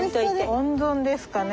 温存ですかね。